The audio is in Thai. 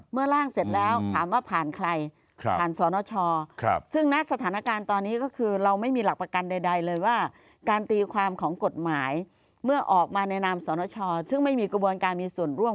เมื่อร่างเสร็จแล้วถามว่าผ่านใคร